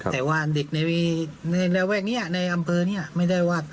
แต่ว่าเด็กในระแวกนี้ในอำเภอนี้ไม่ได้ว่า